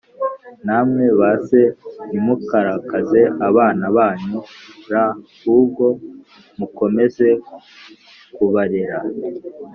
Namwe ba se ntimukarakaze abana banyu r ahubwo mukomeze kubarera